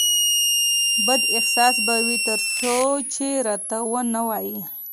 بد احساس به وي ترڅو چې راته ونه وایې